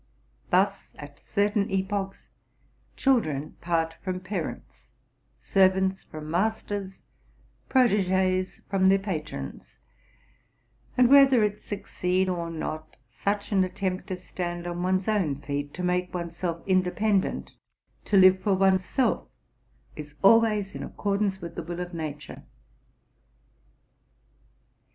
Thus, at certain epochs, children part from parents, ser vants from masters, protéges from their patrons ; and, whether it succeed or not, such an attempt to stand on one's own feet, to make one's self independent, to live for one's self, is always in accordance with the will of nature.